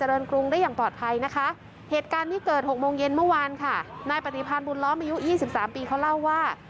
โรงเย็นเมื่อวานค่ะนายปฏิพันธ์บุญล้อมอายุยี่สิบสามปีเขาเล่าว่า